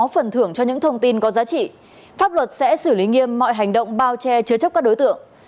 nếu quý vị có phần thưởng cho những thông tin có giá trị pháp luật sẽ xử lý nghiêm mọi hành động bao che chứa chấp các đối tượng